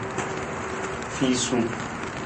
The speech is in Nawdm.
Fiisung.